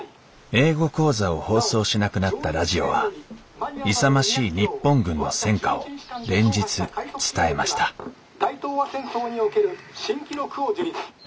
英語講座を放送しなくなったラジオは勇ましい日本軍の戦果を連日伝えました「大東亜戦争における新記録を樹立」。